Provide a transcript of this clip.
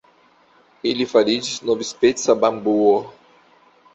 Ili fariĝis novspeca bambuo.